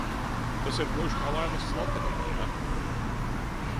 Tas ir gluži kā laimests loterijā, ja?